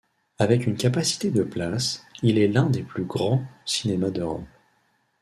Avec une capacité de places, il est l'un des plus grands cinémas d'Europe.